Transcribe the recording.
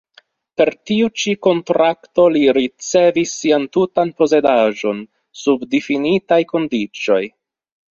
Per tiu ĉi kontrakto li ricevis sian tutan posedaĵon sub difinitaj kondiĉoj.